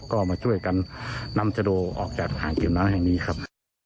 ก็มาช่วยกันนำสโดออกจากอ่างเก็บน้ำแห่งนี้ครับ